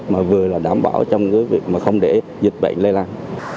mà vừa là đảm bảo trong cái việc mà không để dịch bệnh lây lan